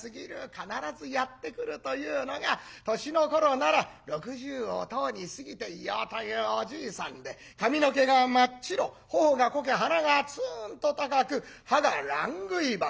必ずやって来るというのが年の頃なら６０をとうに過ぎていようというおじいさんで髪の毛が真っ白頬がこけ鼻がツーンと高く歯が乱杭歯という。